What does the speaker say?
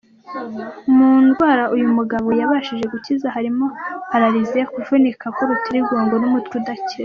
Mu ndwara uyu mugabo yabashije gukiza harimo paralyse, kuvunika k’ urutirigongo n’umutwe udakira.